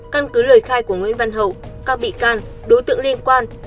căn cứ lời khai của nguyễn văn hậu các bị can đối tượng liên quan